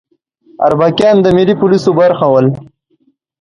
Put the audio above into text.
اربکیان د ملي پولیسو برخه ول